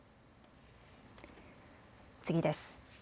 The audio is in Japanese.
次です。